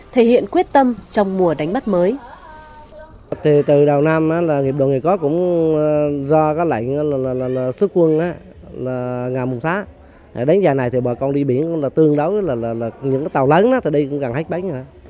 trong mùa đánh bắt mới